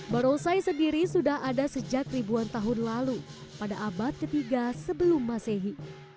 berdiri setahun lalu pada abad ketiga sebelum masehi